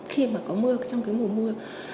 khi mà có mưa trong cái mùa mưa